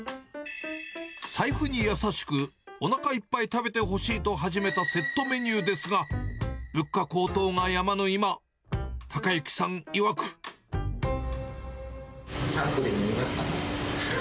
財布に優しくおなかいっぱい食べてほしいと始めたセットメニューですが、物価高騰がやまぬ今、３個でもよかったな。